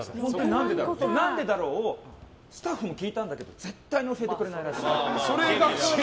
何でだろうをスタッフも聞いたんだけど絶対に教えてくれないらしい。